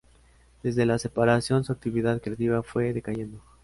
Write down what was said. Desde la separación, su actividad creativa fue decayendo.